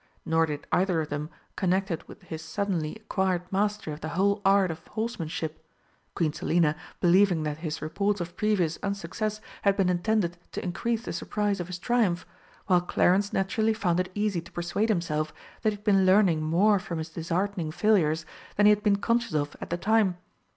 Nor did either of them connect it with his suddenly acquired mastery of the whole art of horsemanship, Queen Selina believing that his reports of previous unsuccess had been intended to increase the surprise of his triumph, while Clarence naturally found it easy to persuade himself that he had been learning more from his disheartening failures than he had been conscious of at the time.